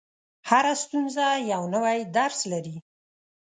• هره ستونزه یو نوی درس لري.